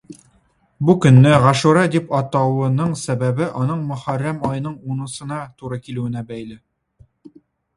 Бу көнне Гашура дип атауның сәбәбе аның Мөхәррәм аеның унысына туры килүенә бәйле.